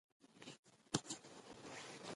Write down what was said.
په کڅوړه کې يوه مجسمه وه.